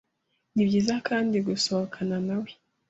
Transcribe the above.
Ni byiza kandi gusohokana na we